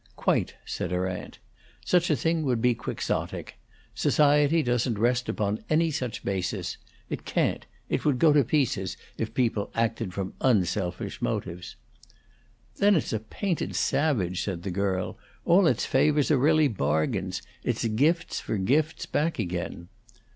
"Quite," said her aunt. "Such a thing would be quixotic. Society doesn't rest upon any such basis. It can't; it would go to pieces, if people acted from unselfish motives." "Then it's a painted savage!" said the girl. "All its favors are really bargains. It's gifts are for gifts back again."